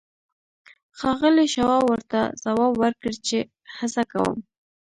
ښاغلي شواب ورته ځواب ورکړ چې هڅه کوم